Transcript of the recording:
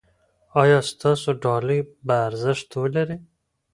ایا ستاسو ډالۍ به ارزښت ولري؟